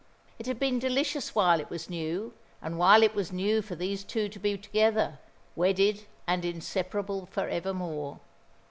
It had been delicious while it was new, and while it was new for these two to be together, wedded and inseparable for evermore.